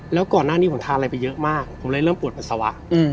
แล้วก่อนหน้านี้ผมทานอะไรไปเยอะมากผมเลยเริ่มปวดปัสสาวะ